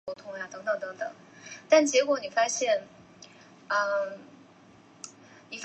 相似关系是两个矩阵之间的一种等价关系。